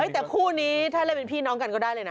แต่คู่นี้ถ้าเล่นเป็นพี่น้องกันก็ได้เลยนะ